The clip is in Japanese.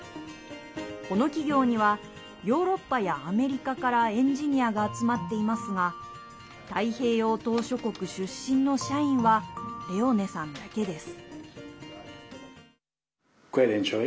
この企業にはヨーロッパやアメリカからエンジニアが集まっていますが太平洋島しょ国出身の社員はレオネさんだけです。